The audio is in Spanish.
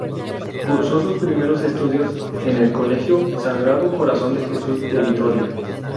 Cursó sus primeros estudios en el colegio Sagrado Corazón de Jesús de Vitoria.